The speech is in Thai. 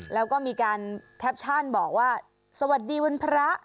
แล้วก็มีการแคปชั่นบอกว่าสวัสดีวันพระ